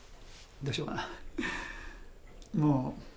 どうしようかな？